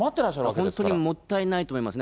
本当にもったいないと思いますね。